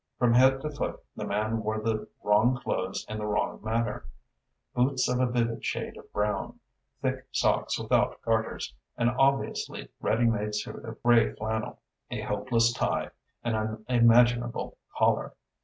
From head to foot the man wore the wrong clothes in the wrong manner, boots of a vivid shade of brown, thick socks without garters, an obviously ready made suit of grey flannel, a hopeless tie, an unimaginable collar.